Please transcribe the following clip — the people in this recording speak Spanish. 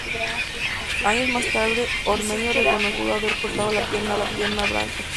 Años más tarde, Ormeño reconoció que le pudo haber cortado la pierna a Branco.